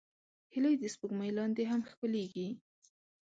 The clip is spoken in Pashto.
هیلۍ د سپوږمۍ لاندې هم ښکليږي